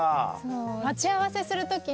待ち合わせする時に。